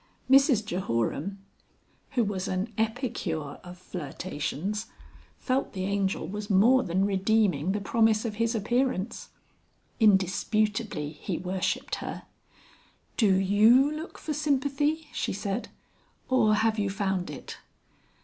Mrs Jehoram (who was an epicure of flirtations) felt the Angel was more than redeeming the promise of his appearance. (Indisputably he worshipped her.) "Do you look for sympathy?" she said. "Or have you found it?"